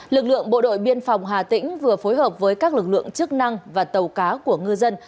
lực lượng bộ đội biên phòng hà tĩnh vừa phối hợp với các lực lượng chức năng và tàu cá của ngư dân